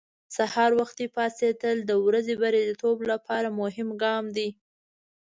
سهار وختي پاڅېدل د ورځې بریالیتوب لپاره مهم ګام دی.